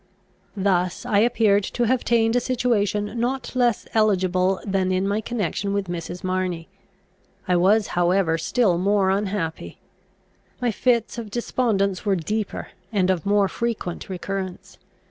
Thus I appeared to have attained a situation not less eligible than in my connection with Mrs. Marney. I was however still more unhappy. My fits of despondence were deeper, and of more frequent recurrence.